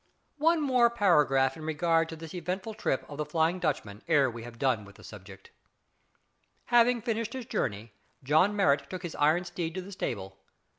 One more paragraph in regard to this eventful trip of the "Flying Dutchman" ere we have done with the subject. Having finished his journey, John Marrot took his iron steed to the stable.